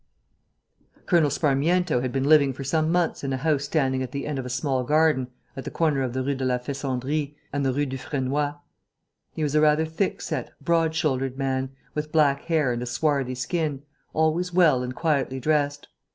_ "A. L." Colonel Sparmiento had been living for some months in a house standing at the end of a small garden at the corner of the Rue de la Faisanderie and the Rue Dufresnoy. He was a rather thick set, broad shouldered man, with black hair and a swarthy skin, always well and quietly dressed.